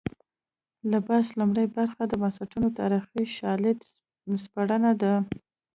د بحث لومړۍ برخه د بنسټونو تاریخي شالید سپړنه ده.